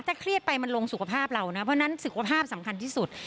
ถ้าเครียดไปมันลงสุขภาพเรานะเพราะฉะนั้นสุขภาพสำคัญที่สุด